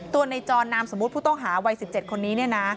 ในจรนามสมมุติผู้ต้องหาวัย๑๗คนนี้